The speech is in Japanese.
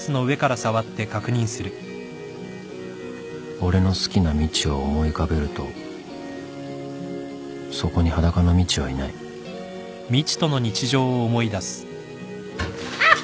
俺の好きなみちを思い浮かべるとそこに裸のみちはいないあっ！